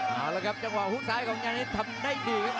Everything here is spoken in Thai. เอาละครับจังหวะฮุกซ้ายของยานิดทำได้ดีครับ